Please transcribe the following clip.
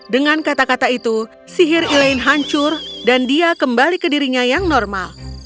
dengan kata kata itu sihir elaine hancur dan dia kembali ke dirinya yang normal